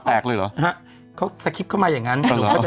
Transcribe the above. ก็สแกท์คลิปเข้ามาอย่างนั้น